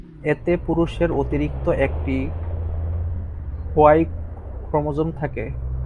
এতে পুরুষের অতিরিক্ত একটি ওয়াই ক্রোমোজোম থাকে।